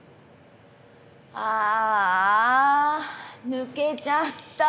ああ抜けちゃった。